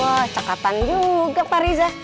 wah cakapan juga pak riza